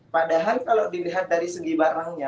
padahal kalau dilihat dari segi barangnya